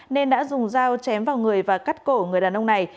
nên đã dùng dao chém vào người và cắt cổ người đàn ông này